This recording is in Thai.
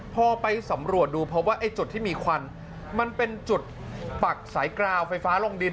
พอไปสำรวจดูเพราะว่าไอ้จุดที่มีควันมันเป็นจุดปักสายกราวไฟฟ้าลงดิน